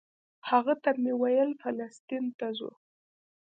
هغه ته مې ویل فلسطین ته ځو.